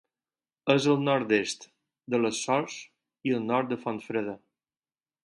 És al nord-est de les Sorts i al nord de Fontfreda.